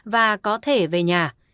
và có thể về nhà